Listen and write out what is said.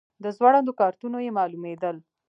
له ځوړندو کارتونو یې معلومېدل.